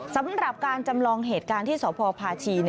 สำหรับการจำลองเหตุการณ์ที่สพพาชี